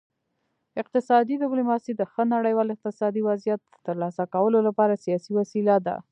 اقتصادي ډیپلوماسي د ښه نړیوال اقتصادي وضعیت د ترلاسه کولو لپاره سیاسي وسیله ده